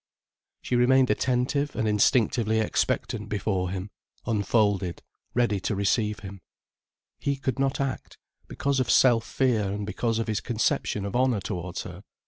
She remained attentive and instinctively expectant before him, unfolded, ready to receive him. He could not act, because of self fear and because of his conception of honour towards her.